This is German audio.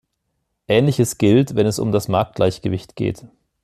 Ähnliches gilt, wenn es um das Marktgleichgewicht geht.